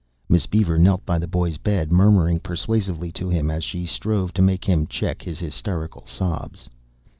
Miss Beaver knelt by the boy's bed, murmuring persuasively to him as she strove to make him check his hysterical sobs.